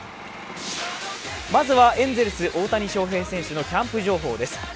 まずは、エンゼルス・大谷翔平選手のキャンプ情報です。